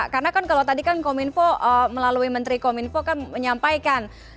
karena kan kalau tadi kan kominfo melalui menteri kominfo kan menyampaikan